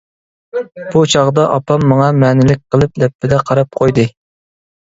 بۇ چاغدا ئاپام ماڭا مەنىلىك قىلىپ لەپپىدە قاراپ قۇيدى.